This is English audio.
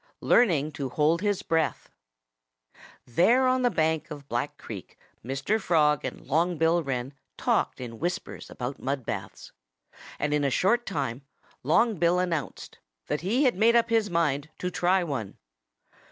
XXII LEARNING TO HOLD HIS BREATH There on the bank of Black Creek Mr. Frog and Long Bill Wren talked in whispers about mud baths. And in a short time Long Bill announced that he had made up his mind to try one.